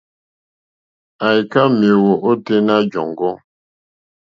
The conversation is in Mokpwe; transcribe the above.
Àyíkâ méěyó ôténá jɔ̀ŋgɔ́.